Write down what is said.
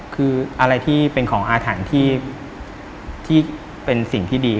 คืออะไรที่เป็นของอาถรรพ์ที่เป็นสิ่งที่ดี